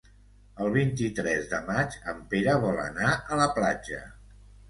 El vint-i-tres de maig en Pere vol anar a la platja.